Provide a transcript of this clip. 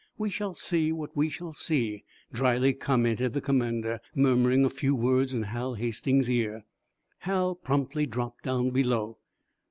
"We shall see what we shall see," dryly commented the commander, murmuring a few words in Hal Hastings's ear. Hal promptly dropped down below.